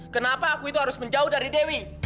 kenapa aku itu harus menjauh dari dewi